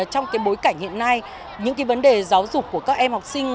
trong bối cảnh hiện nay những vấn đề giáo dục của các em học sinh